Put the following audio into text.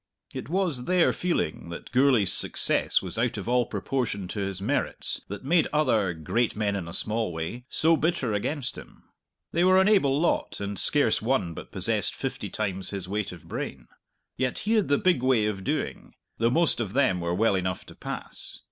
It was their feeling that Gourlay's success was out of all proportion to his merits that made other great men in a small way so bitter against him. They were an able lot, and scarce one but possessed fifty times his weight of brain. Yet he had the big way of doing, though most of them were well enough to pass.